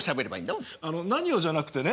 あの何をじゃなくてね